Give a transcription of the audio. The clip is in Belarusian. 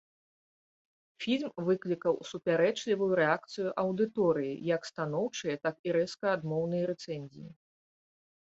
Фільм выклікаў супярэчлівую рэакцыю аўдыторыі, як станоўчыя, так і рэзка адмоўныя рэцэнзіі.